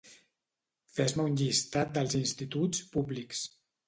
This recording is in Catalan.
Fes-me un llistat dels instituts públics.